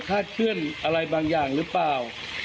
เคลื่อนอะไรบางอย่างหรือเปล่า